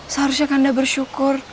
seharusnya kanda bersyukur